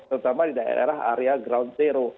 terutama di daerah area ground zero